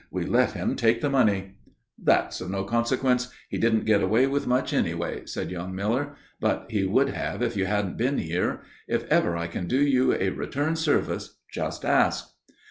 "We let him take the money!" "That's of no consequence. He didn't get away with much anyway," said young Miller. "But he would have if you hadn't been here. If ever I can do you a return service, just ask."